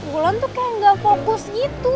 bulan tuh kayak gak fokus gitu